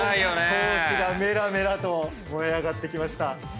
闘志がメラメラと燃え上がってきました。